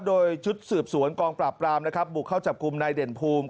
โดยชุดสืบสวนกองปราบปรามนะครับบุกเข้าจับกลุ่มนายเด่นภูมิ